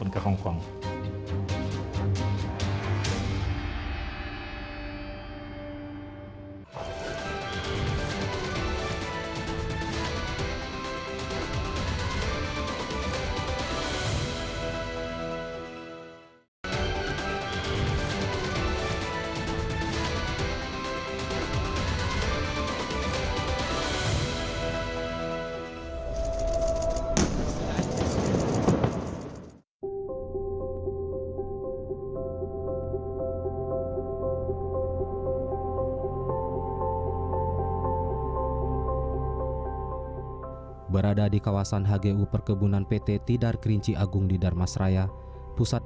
keberadaannya teridentifikasi melalui kamera jebak